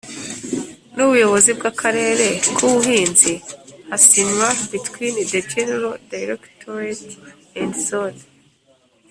n Ubuyobozi bw Akarere k Ubuhinzi hasinywa between the General Directorate and Zone